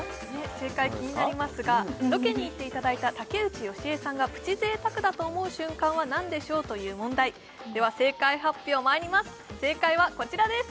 正解気になりますがロケに行っていただいた竹内由恵さんがプチ贅沢だと思う瞬間は何でしょうという問題では正解発表まいります正解はこちらです！